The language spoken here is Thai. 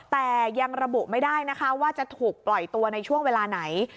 แต่ยังระบุไม่ได้นะคะว่าจะถูกปล่อยตัวในช่วงเวลาไหน